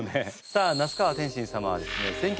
さあ那須川天心様はですね